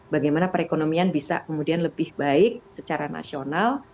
bagaimana perekonomian bisa kemudian lebih baik secara nasional